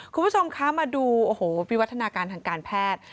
คุณผู้ชมคะมาดูโอ้โหวิวัฒนาการทางการแพทย์